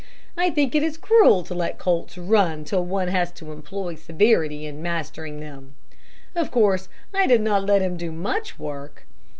I think it is cruel to let colts run till one has to employ severity in mastering them. Of course, I did not let him do much work.